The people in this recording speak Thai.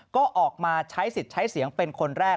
ก็ออกมาใช้สิทธิ์ใช้เสียงเป็นคนแรก